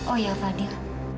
oh ya fadil